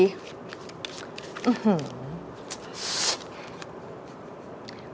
อื้อหือ